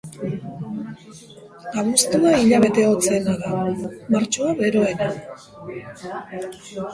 Abuztua hilabete hotzena da, martxoa beroena.